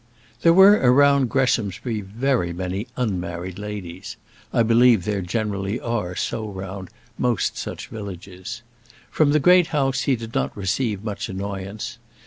There were around Greshamsbury very many unmarried ladies I believe there generally are so round most such villages. From the great house he did not receive much annoyance.